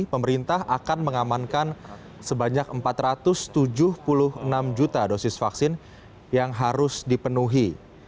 pemerintah akan mengamankan sebanyak empat ratus tujuh puluh enam juta dosis vaksin yang harus dipenuhi